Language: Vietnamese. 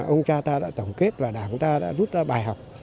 ông cha ta đã tổng kết và đảng ta đã rút ra bài học